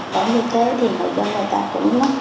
cũng như thế thì người dân người ta cũng mất